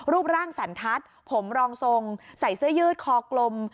รูปร่างสันทัศน์ผมรองทรงใส่เสื้อยืดคอกลม